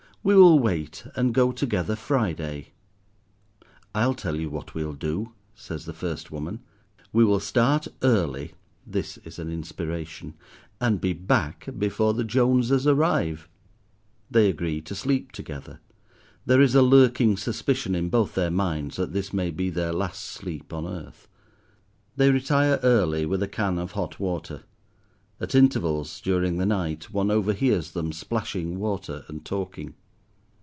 "We will wait and go together, Friday!" "I'll tell you what we'll do," says the first woman. "We will start early" (this is an inspiration), "and be back before the Joneses arrive." They agree to sleep together; there is a lurking suspicion in both their minds that this may be their last sleep on earth. They retire early with a can of hot water. At intervals, during the night, one overhears them splashing water, and talking.